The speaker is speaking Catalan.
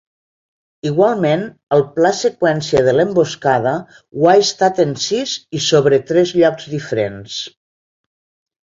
Igualment, el pla-seqüència de l'emboscada ho ha estat en sis i sobre tres llocs diferents.